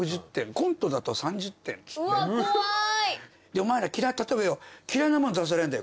お前ら例えばよ嫌いなもん出されんだよ